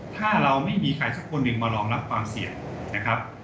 ถ้าเราไม่มีใครสักคนหนึ่งมารองรับความเสี่ยงนะครับ